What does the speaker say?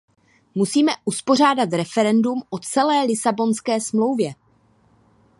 Musíme uspořádat referendum o celé Lisabonské smlouvě.